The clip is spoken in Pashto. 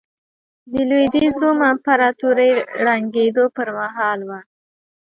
د لوېدیځ روم امپراتورۍ ړنګېدو پرمهال وه.